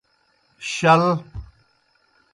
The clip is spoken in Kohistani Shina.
شَل۔